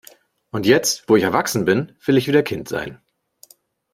Und jetzt, wo ich erwachsen bin, will ich wieder Kind sein.